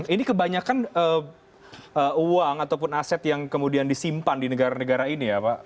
ini kebanyakan uang ataupun aset yang kemudian disimpan di negara negara ini ya pak